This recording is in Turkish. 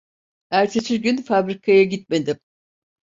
Ertesi gün fabrikaya gitmedim.